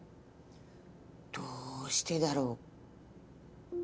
どうしてだろ？